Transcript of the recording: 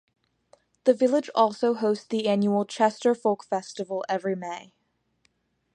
The village also hosts the annual Chester Folk Festival every May.